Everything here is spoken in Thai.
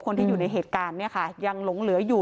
คนที่อยู่ในเหตุการณ์ยังหลงเหลืออยู่